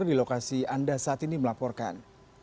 di lokasi anda saat ini melaporkan